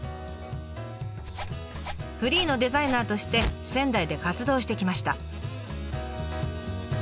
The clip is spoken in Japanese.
フリーのデザイナーとして仙台で活動してきました。